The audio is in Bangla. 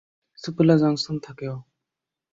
সুপেলা জাংশন থাকে ও।